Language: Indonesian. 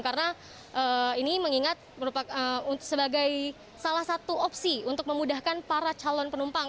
karena ini mengingat sebagai salah satu opsi untuk memudahkan para calon penumpang